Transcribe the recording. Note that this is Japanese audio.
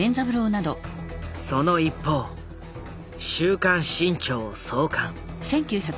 その一方「週刊新潮」を創刊。